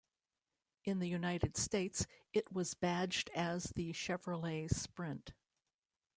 In the United States, it was badged as the Chevrolet Sprint.